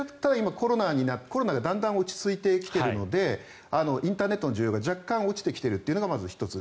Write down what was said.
今、コロナがだんだん落ち着いてきているのでインターネットの需要が若干落ちてきているのが１つ。